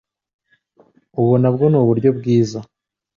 Ubu nabwo ni uburyo bwiza